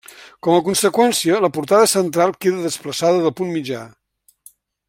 Com a conseqüència, la portada central queda desplaçada del punt mitjà.